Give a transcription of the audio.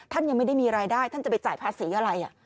ท่านยังไม่ได้มีรายได้ท่านจะไปจ่ายภาษีอะไร